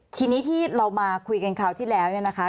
ทีนี้ที่เรามาคุยกันคราวที่แล้วเนี่ยนะคะ